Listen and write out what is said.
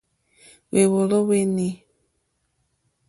Hwèwòló hwé nǐ.